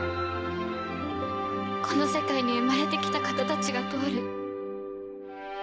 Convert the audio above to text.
この世界に生まれて来た方たちが通る